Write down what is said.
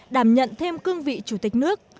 đảm nhận thêm cương vị chủ tịch nước